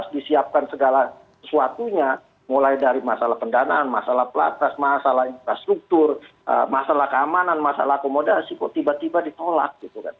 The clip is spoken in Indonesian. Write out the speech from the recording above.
disiapkan segala sesuatunya mulai dari masalah pendanaan masalah platas masalah infrastruktur masalah keamanan masalah akomodasi kok tiba tiba ditolak